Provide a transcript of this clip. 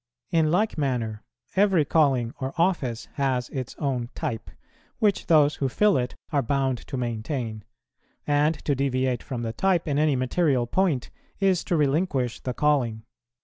In like manner every calling or office has its own type, which those who fill it are bound to maintain; and to deviate from the type in any material point is to relinquish the calling.